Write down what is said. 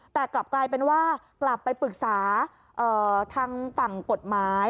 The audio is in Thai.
แต่กลับกลายเป็นว่ากลับไปปรึกษาทางฝั่งกฎหมาย